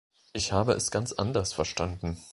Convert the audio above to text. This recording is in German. Ich habe es ganz anders verstanden.